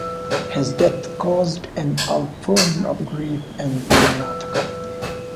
His death caused an outpouring of grief in Karnataka.